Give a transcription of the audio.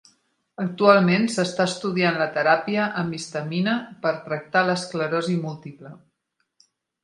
Actualment, s"està estudiant la teràpia amb histamina per tractar l"esclerosi múltiple.